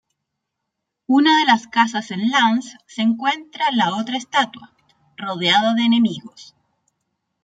Una de las casas en Lance se encuentra la otra estatua, rodeada de enemigos.